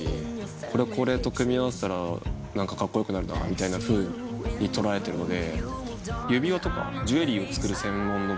これをこれと組み合わせたら何かカッコよくなるかなみたいなふうに捉えてるので。